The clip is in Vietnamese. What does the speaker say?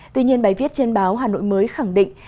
tuy nhiên bài viết trên báo hà nội mới khẳng định